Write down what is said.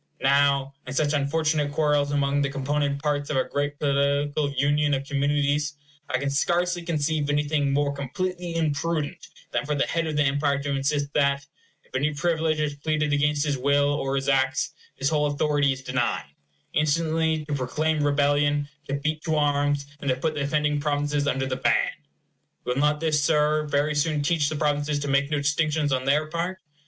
Now, in such unfortunate quarrels among the component parts of a great political union of communities, I can scarcely conceive anything more completely imprudent than for the head of the empire to insist that, if any privilege is pleaded against his will or his acts, his whole authority is denied; instantly to proclaim rebellion, to beat to arms, and to put the offending provinces under the ban. Will not this, Sir, very soon teach the provinces to make no distinctions on their part?